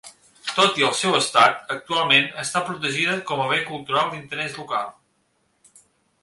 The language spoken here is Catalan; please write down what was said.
Tot i el seu estat, actualment està protegida com a Bé Cultural d'Interès Local.